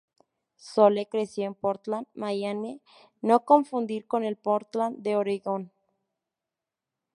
Sole creció en Portland, Maine, no confundir con el Portland de Oregón.